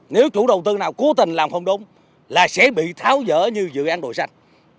nếu chủ đầu tư nào cố tình làm không đúng là sẽ bị tháo rỡ như dự án đồi xanh